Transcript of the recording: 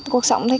cuộc sống thì